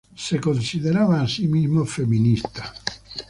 Se consideraba a sí misma feminista.